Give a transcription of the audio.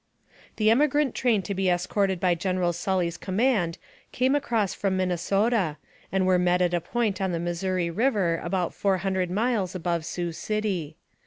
The emigrant train to be escorted by General Sully's command came across from Minnesota, and were met at a point on the Missouri River about four hun dred miles above Sioux City.